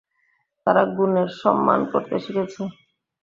তারা গুণের সম্মান করতে শিখেছে।